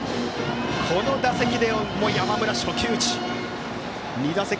この打席でも山村は初球打ち。